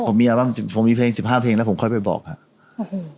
ผมมีอะไรบ้างผมมีเพลงสิบห้าเพลงแล้วผมค่อยไปบอกครับโอ้โห